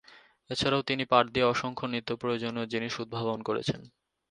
এছাড়াও তিনি পাট দিয়ে অসংখ্য নিত্যপ্রয়োজনীয় জিনিস উদ্ভাবন করেছেন।